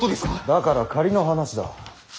だから仮の話だ。